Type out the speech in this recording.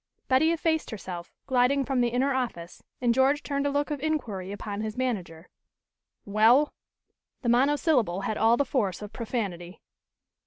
Betty effaced herself, gliding from the inner office, and George turned a look of inquiry upon his manager. "Well?" the monosyllable had all the force of profanity.